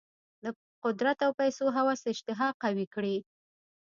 د قدرت او پیسو هوس اشتها قوي کړې.